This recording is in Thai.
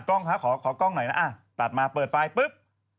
กล้องครับขอกล้องหน่อยนะตัดมาเปิดไฟปุ๊บ